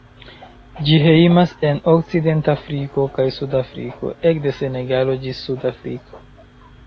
Ĝi hejmas en Okcidentafriko kaj suda Afriko, ekde Senegalo ĝis Sud-Afriko.